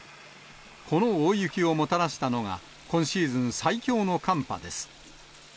この大雪をもたらしたのが、今シーズン最強の寒波です。